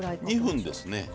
２分ですね。